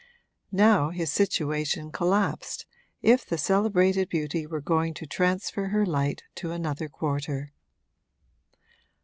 Now his situation collapsed if the celebrated beauty were going to transfer her light to another quarter.